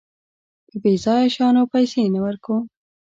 په بېځايه شيانو پيسې نه ورکوم.